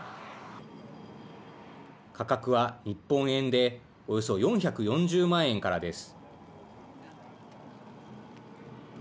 価格は日本円でおよそ４４０万円からです。